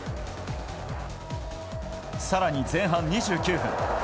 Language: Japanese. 更に、前半２９分。